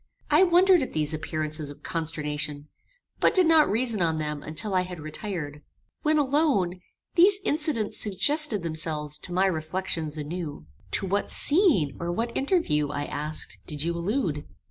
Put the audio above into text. I wondered at these appearances of consternation, but did not reason on them until I had retired. When alone, these incidents suggested themselves to my reflections anew. "To what scene, or what interview, I asked, did you allude?